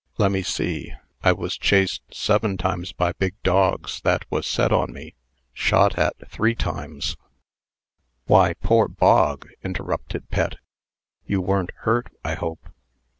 Lemme see I was chased seven times by big dogs that was set on me, shot at three times" "Why, poor Bog!" interrupted Pet; "you wern't hurt, I hope?"